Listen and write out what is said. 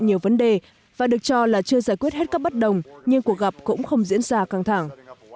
nhiều vấn đề và được cho là chưa giải quyết hết các bất đồng nhưng cuộc gặp cũng không diễn ra căng thẳng